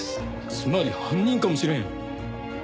つまり犯人かもしれん。